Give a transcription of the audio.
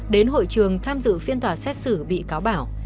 đến hội trường tham dự phiên tòa xét xử bị cáo bảo